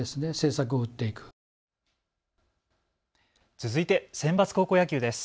続いてセンバツ高校野球です。